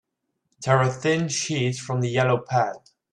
Tear a thin sheet from the yellow pad.